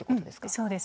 そうです。